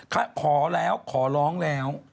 ขอแล้วขอร้องแล้ว